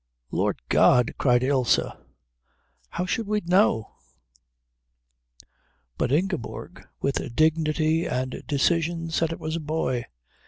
"Lord God!" cried Ilse, "how should we know?" But Ingeborg, with dignity and decision, said it was a boy.